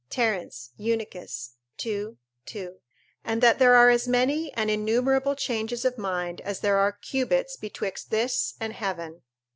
Terence, Eunuchus, ii. 2.] and that there are as many and innumerable degrees of mind as there are cubits betwixt this and heaven.